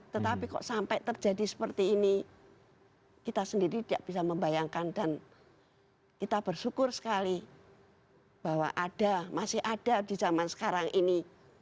tetapi kok sampai terjadi seperti ini kita sendiri tidak bisa membayangkan dan kita bersyukur sekali bahwa ada masih ada di zaman sekarang ini